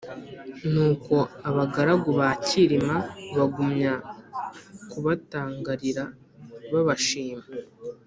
nuko uko abagaragu ba cyilima bagumya kubatangarira babashima,